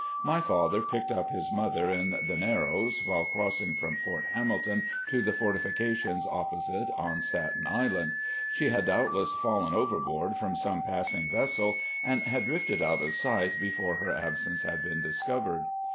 My father picked up his mother in the "Narrows" while crossing from Fort Hamilton to the fortifications opposite on Staten Island. She had doubtless fallen overboard from some passing vessel and had drifted out of sight before her absence had been discovered.